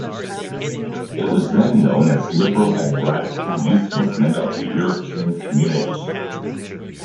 It was then known as Liberal and Radical Youth Movement of the European Communities.